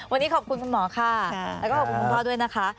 วันนี้ขอบคุณคุณหมอค่ะแล้วก็ขอบคุณคุณพ่อด้วยนะคะ